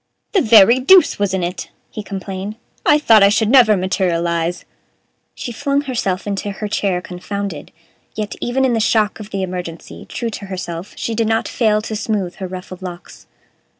"The very deuce was in it!" he complained; "I thought I should never materialize." She flung herself into her chair, confounded; yet, even in the shock of the emergency, true to herself, she did not fail to smooth her ruffled locks.